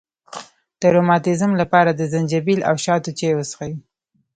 د روماتیزم لپاره د زنجبیل او شاتو چای وڅښئ